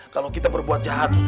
kalau kita berbuat jahat